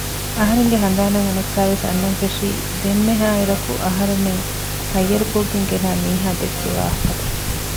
އަހަރެންގެ ހަނދާނަށް އަނެއްކާވެސް އަންނަން ފެށީ ދެންމެހާއިރަކު އަހަރެމެން ހައްޔަރުކޮށްގެން ގެނައި މީހާ ދެއްކި ވާހަކަތައް